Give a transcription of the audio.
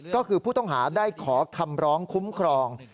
ก็คือผู้ต้องหาได้ขอคำร้องคุ้มครอง